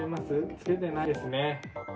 つけてないですね。